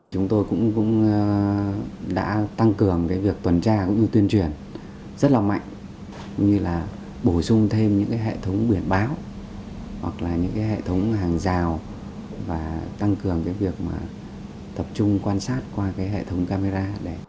chúng tôi cũng đã tăng cường việc tuần tra cũng như tuyên truyền rất là mạnh như là bổ sung thêm những hệ thống biển báo hoặc là những hệ thống hàng rào và tăng cường việc tập trung quan sát qua hệ thống camera